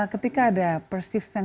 ketika ada perasaan